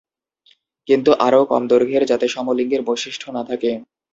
কিন্তু আরও কম দৈর্ঘ্যের, যাতে সমলিঙ্গের বৈশিষ্ট্য না থাকে।